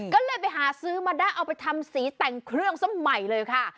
ก็เลยไปหาซื้อมาได้เอาไปทำสีแต่งเครื่องซะใหม่เลยค่ะ